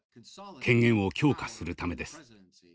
権限を強化するためです。